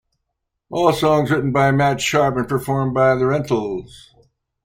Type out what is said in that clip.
All songs written by Matt Sharp and performed by The Rentals.